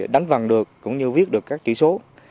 đánh vằn được cũng như viết được các chữ số